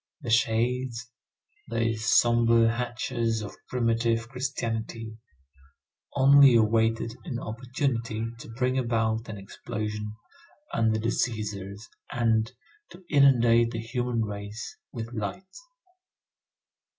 The shades, those sombre hatchers of primitive Christianity, only awaited an opportunity to bring about an explosion under the Cæsars and to inundate the human race with light.